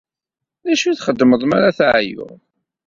D acu i txeddmeḍ mi ara ad teɛyuḍ?